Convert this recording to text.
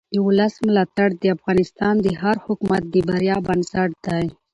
د ولس ملاتړ د افغانستان د هر حکومت د بریا بنسټ دی